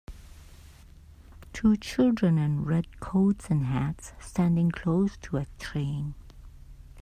Two children in red coats and hats standing close to a train.